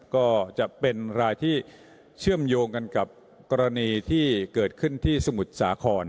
ก็จะเป็นรายที่เชื่อมโยงกันกับกรณีที่เกิดขึ้นที่สมุทรสาคร